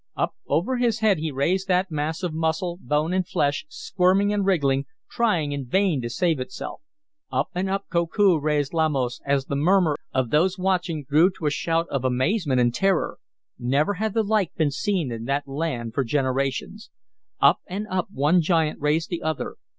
Up over his head he raised that mass of muscle, bone and flesh, squirming and wriggling, trying in vain to save itself. Up and up Koku raised Lamos as the murmur of those watching grew to a shout of amazement and terror. Never had the like been seen in that land for generations. Up and up one giant raised the other.